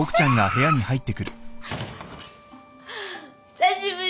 久しぶり。